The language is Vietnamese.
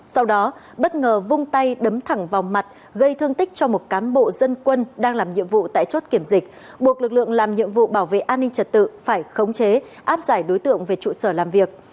sau đó bất ngờ vung tay đấm thẳng vào mặt gây thương tích cho một cán bộ dân quân đang làm nhiệm vụ tại chốt kiểm dịch buộc lực lượng làm nhiệm vụ bảo vệ an ninh trật tự phải khống chế áp giải đối tượng về trụ sở làm việc